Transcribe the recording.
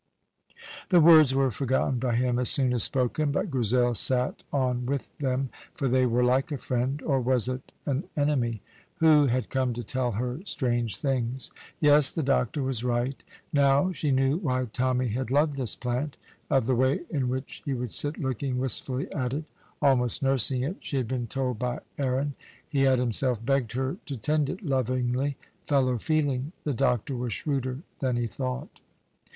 The words were forgotten by him as soon as spoken; but Grizel sat on with them, for they were like a friend or was it an enemy? who had come to tell her strange things. Yes, the doctor was right. Now she knew why Tommy had loved this plant. Of the way in which he would sit looking wistfully at it, almost nursing it, she had been told by Aaron; he had himself begged her to tend it lovingly. Fellow feeling! The doctor was shrewder than he thought.